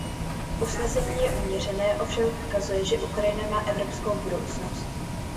Usnesení je uměřené, ovšem ukazuje, že Ukrajina má evropskou budoucnost.